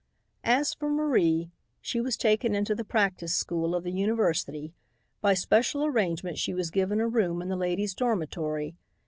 As for Marie, she was taken into the practice school of the university. By special arrangement she was given a room in the ladies' dormitory.